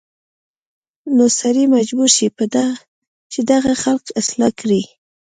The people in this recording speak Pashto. نو سړی مجبور شي چې دغه خلک اصلاح کړي